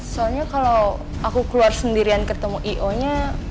soalnya kalau aku keluar sendirian ketemu i o nya